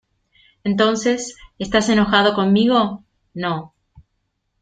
entonces, ¿ estás enojado conmigo? no.